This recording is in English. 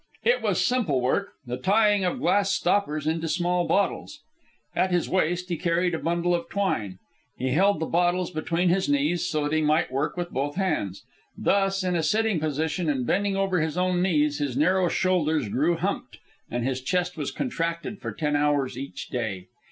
It was simple work, the tying of glass stoppers into small bottles. At his waist he carried a bundle of twine. He held the bottles between his knees so that he might work with both hands. Thus, in a sitting position and bending over his own knees, his narrow shoulders grew humped and his chest was contracted for ten hours each day.